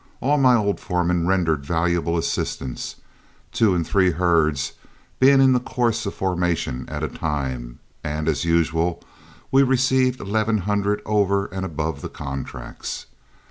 All my old foremen rendered valuable assistance, two and three herds being in the course of formation at a time, and, as usual, we received eleven hundred over and above the contracts.